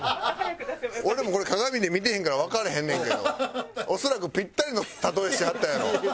俺もこれ鏡で見てへんからわからへんねんけど恐らくピッタリの例えしはったやろ。